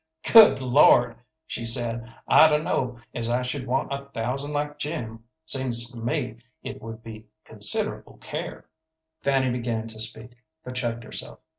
"Good Lord," she said, "I dun'no' as I should want a thousand like Jim. Seems to me it would be considerable care." Fanny began to speak, but checked herself.